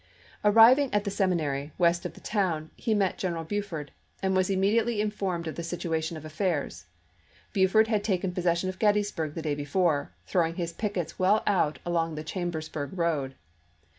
Arriving at the seminary, west of the town, he July 1, lsea. met G eneral Buford, and was immediately in formed of the situation of affairs. Buford had taken possession of Gettysburg the day before, throwing his pickets well out along the Chambers burg road.